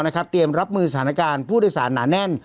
เตรียมรับมือสถานการณ์ผู้โดยสารหนาแน่น